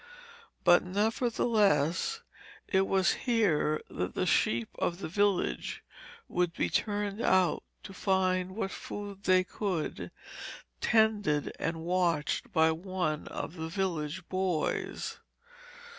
But, nevertheless, it was here that the sheep of the village would be turned out to find what food they could, tended and watched by one of the village boys.